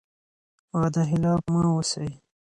وعده خلاف مه اوسئ.